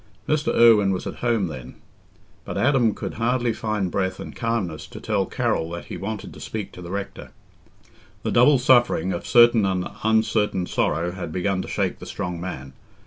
Mr. Irwine was at home, then; but Adam could hardly find breath and calmness to tell Carroll that he wanted to speak to the rector. The double suffering of certain and uncertain sorrow had begun to shake the strong man.